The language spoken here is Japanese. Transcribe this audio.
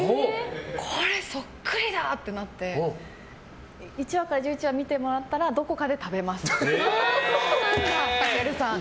これ、そっくりだ！ってなって１話から１１話、見てもらったらどこかで食べます、翔さん。